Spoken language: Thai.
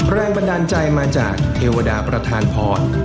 แรงบันดาลใจมาจากเทวดาประธานพร